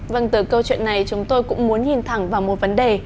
vâng từ câu chuyện này chúng tôi cũng muốn nhìn thẳng vào một vấn đề